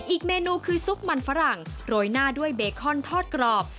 อีกเมนูคือซุปมันฝรั่งโรยหน้าด้วยเบคอนทอดกรอบ